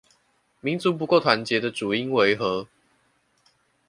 民族不夠團結的主因為何？